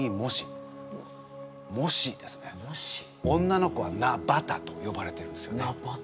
女の子はナ・バタとよばれてるんですよね。